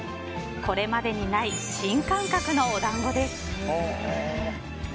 これまでにない新感覚のお団子です。